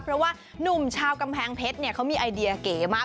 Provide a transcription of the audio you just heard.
เพราะว่านุ่มชาวกำแพงเพชรเนี่ยเขามีไอเดียเก๋มาก